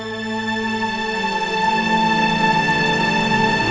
jangan bawa dia